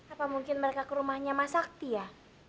apa mungkin mereka ke rumahnya mas sakti ya